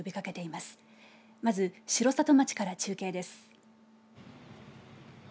まず、城里町から中継です。